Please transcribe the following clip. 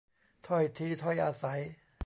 ถ้อยทีถ้อยอาศัย